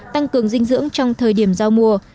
tăng cường dinh dưỡng trong thời điểm giao mùa